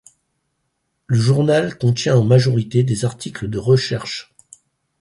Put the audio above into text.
Le journal contient en majorité des articles de recherche.